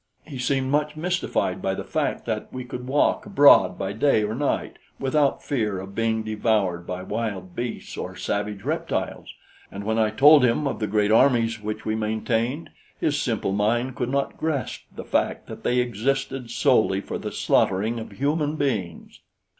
He seemed much mystified by the fact that we could walk abroad by day or night without fear of being devoured by wild beasts or savage reptiles, and when I told him of the great armies which we maintained, his simple mind could not grasp the fact that they existed solely for the slaughtering of human beings.